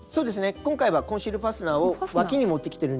今回はコンシールファスナーをわきにもってきてるんですけども。